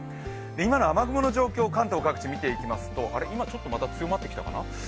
今の雨雲の状況、関東各地、見ていきますとあれっ、今、ちょっとまた強まってきたかな？